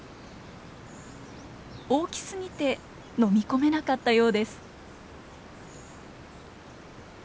大きすぎて飲み込めなかったようです。